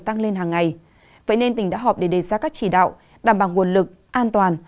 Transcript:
tăng lên hàng ngày vậy nên tỉnh đã họp để đề ra các chỉ đạo đảm bảo nguồn lực an toàn